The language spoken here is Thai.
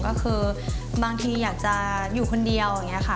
ก็คือบางทีอยากจะอยู่คนเดียวอย่างนี้ค่ะ